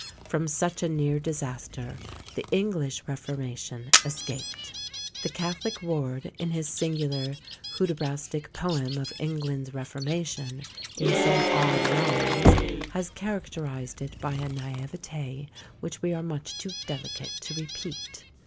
From such a near disaster the English Reformation escaped! The catholic Ward, in his singular Hudibrastic poem of "England's Reformation," in some odd rhymes, has characterised it by a naÃŸvetÃ©, which we are much too delicate to repeat.